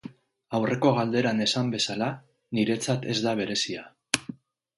Aurreko galderan esan bezala, niretzat ez da berezia.